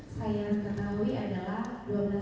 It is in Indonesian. saya yang ketahui adalah